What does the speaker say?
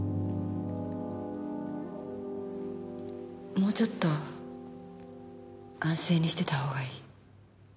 もうちょっと安静にしてたほうがいい。